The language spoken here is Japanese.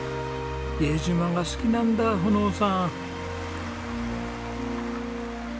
伊江島が好きなんだ穂の生さん。